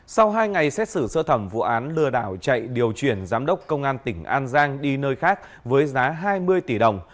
sau hai ngày xét xử sơ thẩm vụ án lừa đảo chạy điều chuyển giám đốc công an tỉnh an giang đi nơi khác với giá hai mươi tỷ đồng